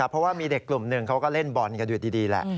เพราะว่ามีเด็กกลุ่มหนึ่งเขาก็เล่นบอลกันอยู่ดีแหละ